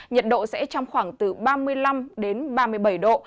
nhiệt độ sẽ trong khoảng từ ba mươi năm đến ba mươi bảy độ